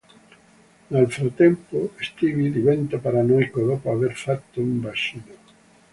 Nel frattempo Stewie diventa paranoico dopo aver fatto un vaccino.